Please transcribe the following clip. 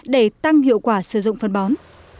để tăng hiệu quả sử dụng phân bón